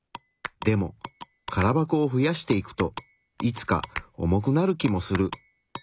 でも空箱を増やしていくといつか重くなる気もする。